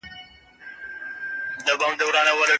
ما د دورکهایم نظریات یادداشت کول.